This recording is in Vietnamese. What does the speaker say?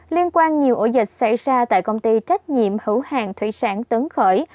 liên quan nhiều ổ dịch xảy ra tại công ty trách nhiệm hữu hàng thủy sản tấn khởi